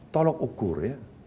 tolok ukur ya